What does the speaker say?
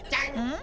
ん？